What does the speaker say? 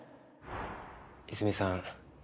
和泉さん